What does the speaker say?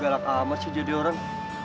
galak amat sih jadi orang